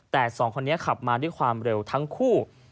แต่สองคนนี้ขับมาด้วยความเร็วทั้งคู่